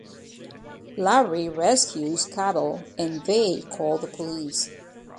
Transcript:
Larry rescues Carol and they call the police.